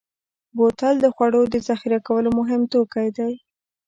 بوتل د خوړو د ذخیره کولو مهم توکی دی.